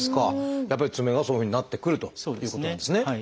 やっぱり爪がそういうふうになってくるということなんですね。